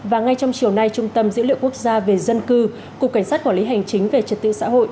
và ngay trong chiều nay trung tâm dữ liệu quốc gia về dân cư cục cảnh sát quản lý hành chính về trật tự xã hội